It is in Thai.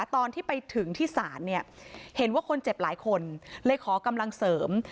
ตอนที่ไปถึงที่ศาลเนี่ยเห็นว่าคนเจ็บหลายคนเลยขอกำลังเสริม